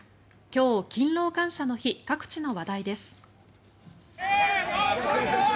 今日、勤労感謝の日各地の話題です。